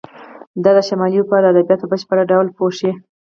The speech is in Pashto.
دا د شمالي اروپا ادبیات په بشپړ ډول پوښي.